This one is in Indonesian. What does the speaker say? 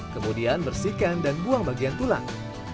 kemudian bersihkan dan buang bagian tulang